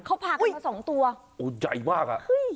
เขาพากันมาสองตัวโอ้ใหญ่มากอ่ะ